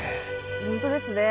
本当ですね。